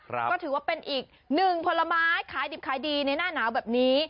ก็ถือว่าเป็นอีกหนึ่งผลไม้ขายดิบขายดีในหน้าหนาวแบบนี้